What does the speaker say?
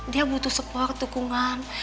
dia butuh support dukungan